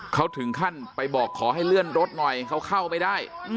เขาถึงขั้นไปบอกขอให้เลื่อนรถหน่อยเขาเข้าไม่ได้